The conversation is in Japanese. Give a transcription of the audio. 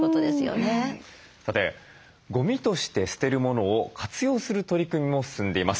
さてゴミとして捨てるものを活用する取り組みも進んでいます。